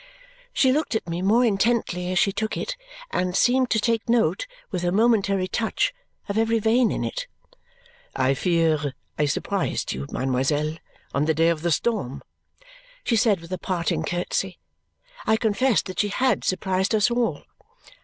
She looked at me more intently as she took it, and seemed to take note, with her momentary touch, of every vein in it. "I fear I surprised you, mademoiselle, on the day of the storm?" she said with a parting curtsy. I confessed that she had surprised us all.